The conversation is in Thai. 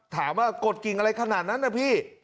ถามว่ากดกริ่งอะไรขนาดนั้นนะพี่